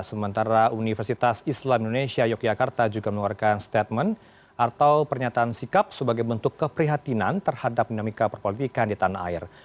sementara universitas islam indonesia yogyakarta juga mengeluarkan statement atau pernyataan sikap sebagai bentuk keprihatinan terhadap dinamika perpolitikan di tanah air